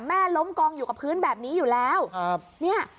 ล้มกองอยู่กับพื้นแบบนี้อยู่แล้วครับเนี่ย